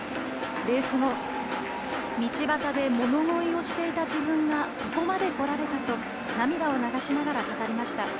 レース後道端で物乞いをしていた自分がここまでこられたと涙を流しながら語りました。